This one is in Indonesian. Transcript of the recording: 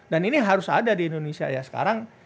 dan ini harus ada di indonesia ya sekarang